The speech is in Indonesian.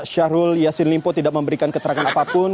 syahrul yassin limpo tidak memberikan keterangan apapun